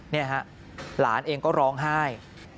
นี่ฮะหลานเองก็ร้องไห้